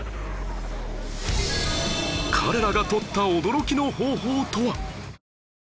彼らがとった驚きの方法とは！？